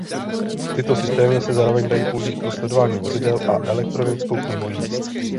Tyto systémy se zároveň dají použít pro sledování vozidel a elektronickou knihu jízd.